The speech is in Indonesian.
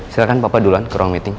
silahkan papa duluan ke ruang meeting